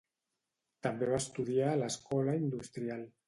També va estudiar a l'Escola Industrial.